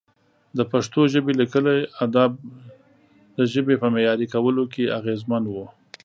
د پښتو ژبې لیکلي ادب د ژبې په معیاري کولو کې اغېزمن و.